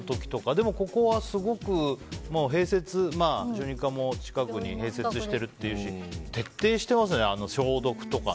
でもここは小児科も近くに併設してるっていうし徹底していますね、消毒とかね。